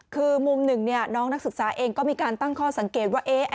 คือมุมหนึ่งน้องนักศึกษาเองก็มีการตั้งข้อสังเกตว่า